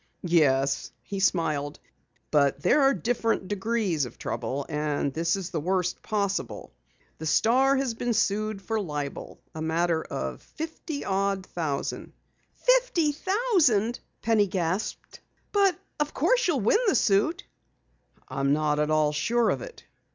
"Yes," he smiled, "but there are different degrees of trouble, and this is the worst possible. The Star has been sued for libel, a matter of fifty odd thousand." "Fifty thousand!" gasped Penny. "But of course you'll win the suit!" "I'm not at all sure of it."